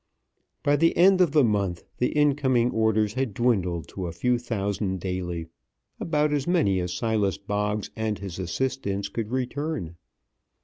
By the end of the month the incoming orders had dwindled to a few thousand daily about as many as Silas Boggs and his assistants could return.